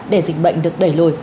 để dịch bệnh được đẩy lùi